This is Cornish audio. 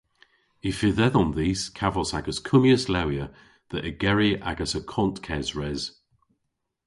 Y fydh edhom dhis kavos a'gas kummyas lewya dhe ygeri agas akont kesres.